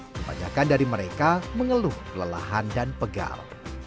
kebanyakan dari mereka mengeluh kelelahan dan pegal